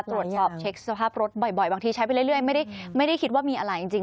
ตรวจสอบเช็คสภาพรถบ่อยบางทีใช้ไปเรื่อยไม่ได้คิดว่ามีอะไรจริง